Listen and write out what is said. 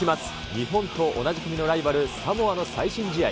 日本と同じ組のライバル、サモアの最新試合。